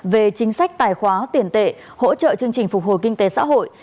về chính sách tài khoá tiền tệ hỗ trợ chương trình phục hồi kinh tế xã hội